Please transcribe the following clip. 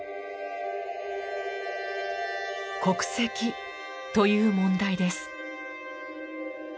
国籍という問題です。